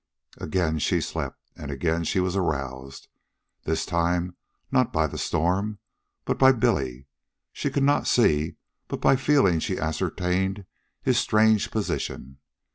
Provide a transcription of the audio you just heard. Again she slept. And again she was aroused, this time not by the storm, but by Billy. She could not see, but by feeling she ascertained his strange position.